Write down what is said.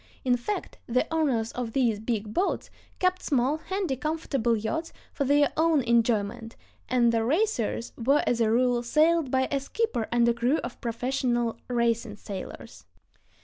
In fact, the owners of these "big boats" kept small, handy, comfortable yachts for their own enjoyment, and the racers were as a rule sailed by a skipper and crew of professional racing sailors.